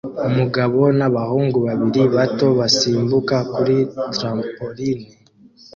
Umugabo nabahungu babiri bato basimbuka kuri trampoline